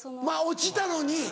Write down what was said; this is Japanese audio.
まぁ落ちたのに。